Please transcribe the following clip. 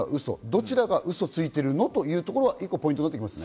どちらが嘘をついているのということが１個、ポイントになりますか？